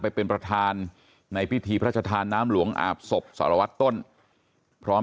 ไปเป็นประธานในพิธีพระชธานน้ำหลวงอาบศพสารวัตรต้นพร้อม